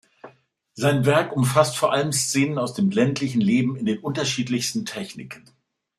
Sein Werk umfasst vor allem Szenen aus dem ländlichen Leben in den unterschiedlichsten Techniken.